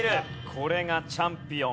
これがチャンピオン。